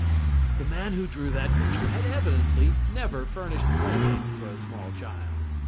The man who drew that picture had evidently never furnished playthings for a small child.